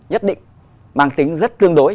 nhất định mang tính rất tương đối